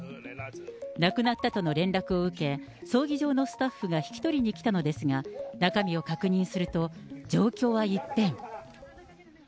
亡くなったとの連絡を受け、葬儀場のスタッフが引き取りに来たのですが、中身を確認すると、状況は一変。